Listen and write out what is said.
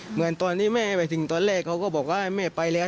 เหมือนตอนที่แม่ไปถึงตอนแรกเขาก็บอกว่าแม่ไปแล้ว